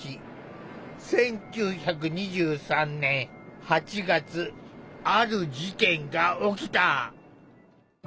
１９２３年８月ある事件が起きた。